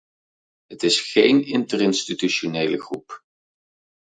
Het is geen interinstitutionele groep.